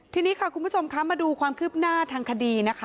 ทีนี้ค่ะคุณผู้ชมคะมาดูความคืบหน้าทางคดีนะคะ